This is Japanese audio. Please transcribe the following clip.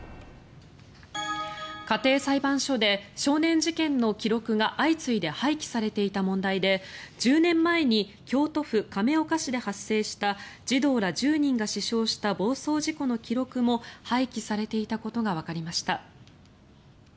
家庭裁判所で少年事件の記録が相次いで廃棄されていた問題で１０年前に京都府亀岡市で発生した児童ら１０人が死傷した暴走事故の記録も廃棄されていたことがわかりました。